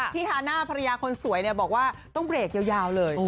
พี่ฮานะภรรยาคนสวยเนี่ยบอกว่าต้องเบรกยาวเลย